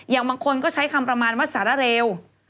บางคนก็ใช้คำประมาณว่าสารเร็ว